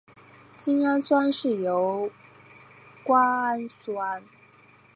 精氨酸是由瓜氨酸透过胞质酵素精氨基琥珀酸合酶合成。